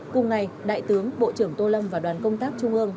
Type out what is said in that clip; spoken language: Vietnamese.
cùng ngày đại tướng bộ trưởng tô lâm và đoàn công tác trung ương